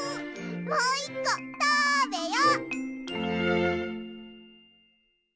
もう１こたべよ！